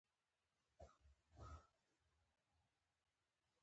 بزګر ته د باران هره څاڅکې یو رحمت دی